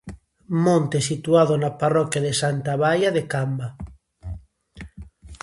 Monte situado na parroquia de Santa Baia de Camba.